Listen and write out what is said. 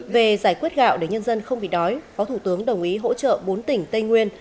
về giải quyết gạo để nhân dân không bị đói phó thủ tướng đồng ý hỗ trợ bốn tỉnh tây nguyên